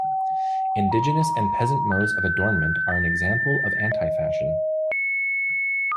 Indigenous and peasant modes of adornment are an example of anti-fashion.